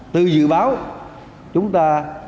từ dự báo chúng ta